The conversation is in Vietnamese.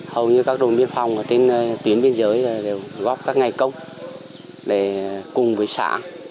hầu như các đồn biên phòng ở trên tuyến biên giới đều góp các ngày công để cùng với xã